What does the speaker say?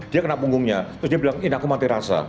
dia kena punggungnya terus dia bilang ini aku mati rasa